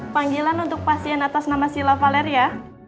panggilan untuk pasien atas nama sila valer ya